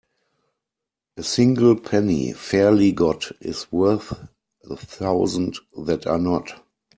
A single penny fairly got is worth a thousand that are not.